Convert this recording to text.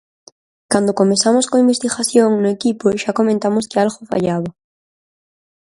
Cando comezamos coa investigación no equipo xa comentamos que algo fallaba.